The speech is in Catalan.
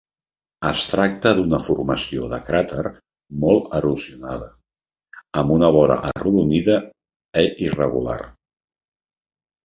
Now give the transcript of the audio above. Es tracta d'una formació de cràter molt erosionada, amb una vora arrodonida i irregular.